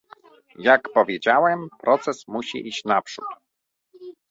Jak powiedziałem, proces musi iść naprzód